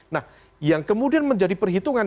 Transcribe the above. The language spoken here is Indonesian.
nah yang kemudian menjadi perhitungan